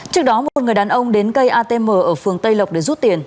trước đó một người đàn ông đến cây atm ở phường tây lộc để rút tiền